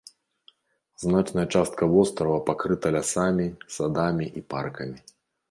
Значная частка вострава пакрыта лясамі, садамі і паркамі.